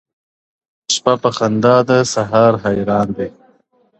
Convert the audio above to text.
شپه په خندا ده، سهار حیران دی.